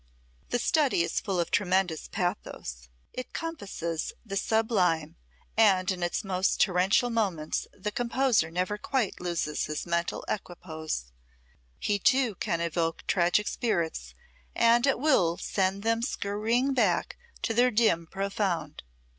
The study is full of tremendous pathos; it compasses the sublime, and in its most torrential moments the composer never quite loses his mental equipoise. He, too, can evoke tragic spirits, and at will send them scurrying back to their dim profound.